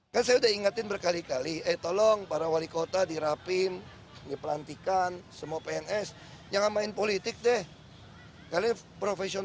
aku juga tahu dia nggak pernah hubungan sama yusril